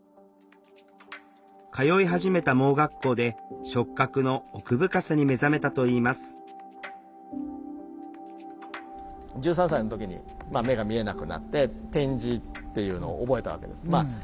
通い始めた盲学校で触覚の奥深さに目覚めたといいます１３歳の時に目が見えなくなって点字っていうのを覚えたわけです。